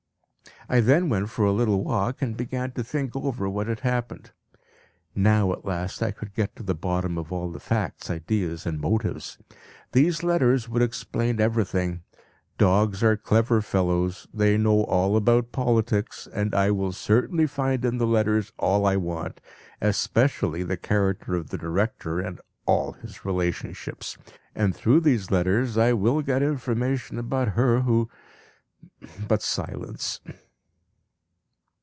I then went for a little walk and began to think over what had happened. Now at last I could get to the bottom of all facts, ideas and motives! These letters would explain everything. Dogs are clever fellows; they know all about politics, and I will certainly find in the letters all I want, especially the character of the director and all his relationships. And through these letters I will get information about her who but silence!